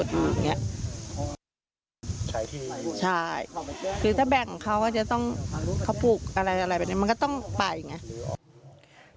ใช้ทีใช่คือถ้าแบ่งเขาก็จะต้องเขาปลูกอะไรอะไรไปมันก็ต้องไปอย่างเงี้ย